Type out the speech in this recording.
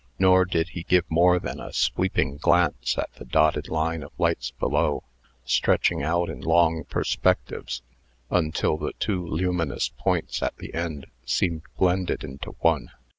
Nor did he give more than a sweeping glance at the dotted line of lights below, stretching out in long perspectives, until the two luminous points at the end seemed blended into one.